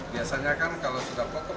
biasanya kan kalau sudah pokok